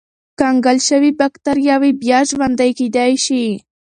کنګل شوې بکتریاوې بیا ژوندی کېدای شي.